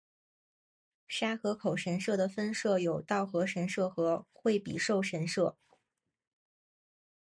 沙河口神社的分社有稻荷神社和惠比寿神社。